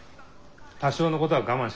多少のことは我慢しろよ。